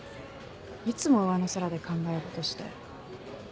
いつも上の空で考え事して。